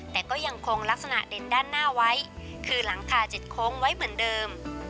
แต่ก็ยังคงลักษณะเด่นด้านหน้าไว้คือหลังคาเจ็ดโค้งไว้เหมือนเดิม